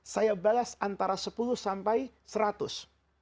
saya balas antara sepuluh sampai seratus